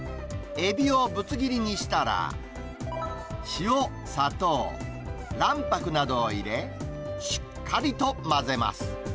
エビをぶつ切りにしたら、塩、砂糖、卵白などを入れ、しっかりと混ぜます。